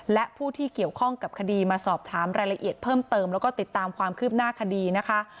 และผู้ที่เกี่ยวข้องกับคดีมาสอบถามรายละเอียดเพิ่มเติมแล้วก็ติดตามความคืบหน้าคดีนะคะ